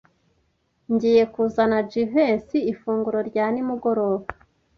Ngiye kuzana Jivency ifunguro rya nimugoroba.